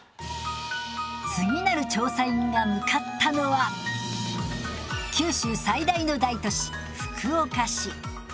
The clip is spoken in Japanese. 次なる調査員が向かったのは九州最大の大都市福岡市。